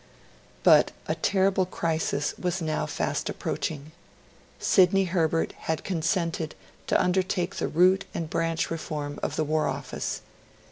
But a terrible crisis was now fast approaching. Sidney Herbert had consented to undertake the root and branch reform of the War Office.